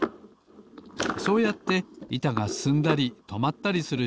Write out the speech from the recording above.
そうやっていたがすすんだりとまったりする